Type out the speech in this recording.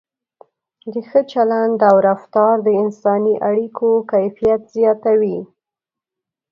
د ښه چلند او رفتار د انساني اړیکو کیفیت زیاتوي.